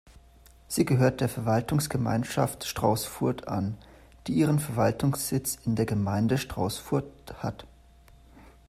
Sie gehört der Verwaltungsgemeinschaft Straußfurt an, die ihren Verwaltungssitz in der Gemeinde Straußfurt hat.